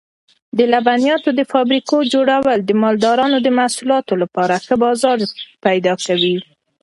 د لبنیاتو د فابریکو جوړول د مالدارانو د محصولاتو لپاره ښه بازار پیدا کوي.